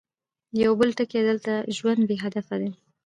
يو بل ټکی، دلته ژوند بې هدفه دی.